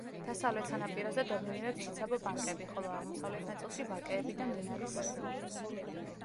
დასავლეთ სანაპიროზე დომინირებს ციცაბო ბანკები, ხოლო აღმოსავლეთ ნაწილში ვაკეები და მდინარის ხეობები.